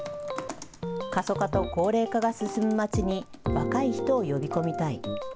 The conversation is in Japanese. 過疎化と高齢化が進む町に若い人を呼び込みたい。